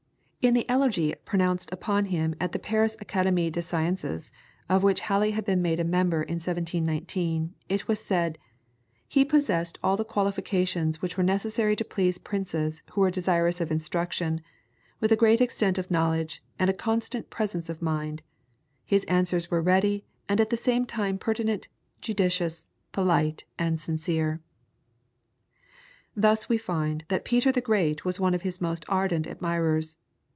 In the eloge pronounced upon him at the Paris Academie Des Sciences, of which Halley had been made a member in 1719 it was said, "he possessed all the qualifications which were necessary to please princes who were desirous of instruction, with a great extent of knowledge and a constant presence of mind; his answers were ready, and at the same time pertinent, judicious, polite and sincere." [PLATE: GREENWICH OBSERVATORY IN HALLEY'S TIME.] Thus we find that Peter the Great was one of his most ardent admirers.